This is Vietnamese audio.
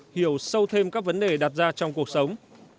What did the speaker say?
hiểu sâu thêm các vấn đề đặt ra trong cuộc sống